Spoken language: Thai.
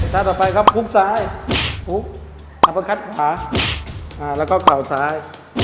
ท่าต่อไปครับฮุกซ้ายฮุกอัปกาศขวาอ่าแล้วก็เข่าซ้าย